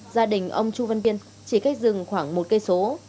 gia đình ông chu văn biên chỉ cách rừng khoảng một cây số